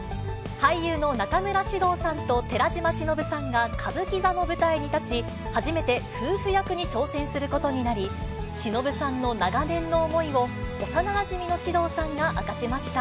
俳優の中村獅童さんと寺島しのぶさんが歌舞伎座の舞台に立ち、初めて夫婦役に挑戦することになり、しのぶさんの長年の思いを、幼なじみの獅童さんが明かしました。